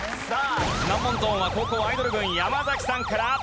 難問ゾーンは後攻アイドル軍山崎さんから。